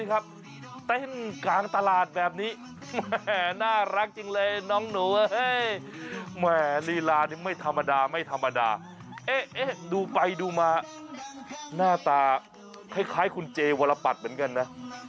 หน้าตาคล้ายคุณเจวรบัดเหมือนกันนะ